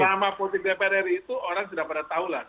drama politik dpr ri itu orang sudah pada tahu lah